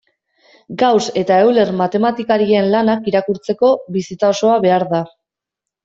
Gauss eta Euler matematikarien lanak irakurtzeko bizitza osoa behar da.